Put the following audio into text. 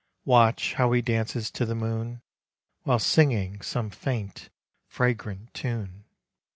Watch how he dances to the moon While singing some faint fragrant tune